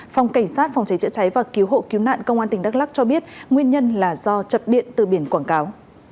phòng cảnh sát phòng cháy chữa cháy và cứu hộ cứu nạn công an tỉnh đắk lắc cho biết nguyên nhân là do chập điện từ biển quảng cáo